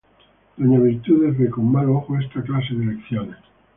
Doña Virtudes ve con malos ojos esta clase de lecciones.